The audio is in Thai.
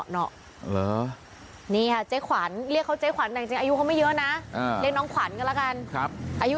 เนี่ยเจ๊ขวัดเรียกเขาเจ๊ขวัดไม่เยอะนะเรียกเขาขวัดกันแล้วกันครับ